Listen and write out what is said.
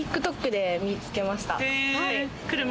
ＴｉｋＴｏｋで見つけました。